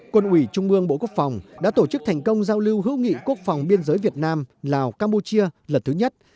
quân ủy trung ương bộ quốc phòng đã tổ chức thành công giao lưu hữu nghị quốc phòng biên giới việt nam lào campuchia lần thứ nhất